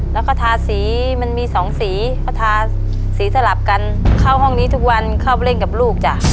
แล้วก็ทาสีมันมีสองสีเขาทาสีสลับกันเข้าห้องนี้ทุกวันเข้าไปเล่นกับลูกจ้ะ